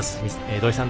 土居さん